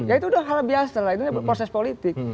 ya itu udah hal biasa lah itu proses politik